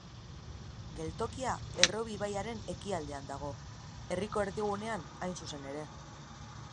Geltokia Errobi ibaiaren ekialdean dago, herriko erdigunean hain zuzen ere.